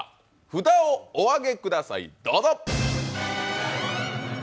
札をお上げください、どうぞ。